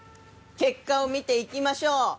結果を見ていきましょう。